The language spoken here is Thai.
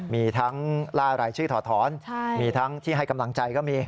มีทั้งล่ารายชื่อถอดถอนมีทั้งที่ให้กำลังใจก็มี